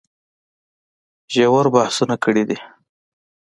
ژور بحثونه کړي دي